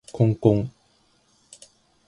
こんこん